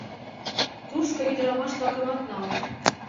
Тушко ӱдырамаш-влакымат налыт.